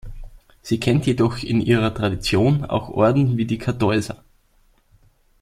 Sie kennt jedoch in ihrer Tradition auch Orden wie die Kartäuser.